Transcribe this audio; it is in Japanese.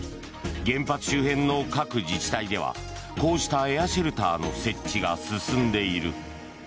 原発周辺の各自治体ではこうしたエアシェルターの設置が進んでいる。